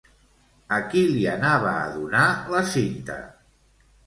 A qui li anava a donar la Cinta?